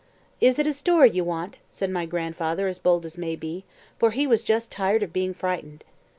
"Is it a story you want?" said my grandfather as bold as may be, for he was just tired of being frightened.